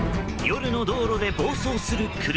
夜の道路で暴走する車。